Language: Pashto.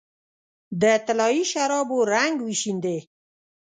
د طلايي شرابو رنګ وشیندې